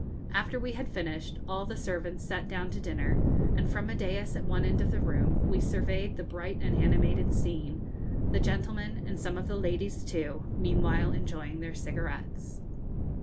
After we had finished, all the servants sat down to dinner, and from a daïs at one end of the room we surveyed the bright and animated scene, the gentlemen and some of the ladies too meanwhile enjoying their cigarettes.